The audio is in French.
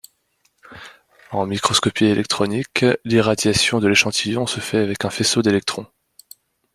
En microscopie électronique l'irradiation de l'échantillon se fait avec un faisceau d'électrons.